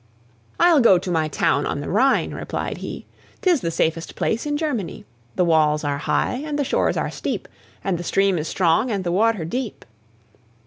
"I'll go to my town on the Rhine," replied he; "'Tis the safest place in Germany; The walls are high, and the shores are steep, And the stream is strong, and the water deep."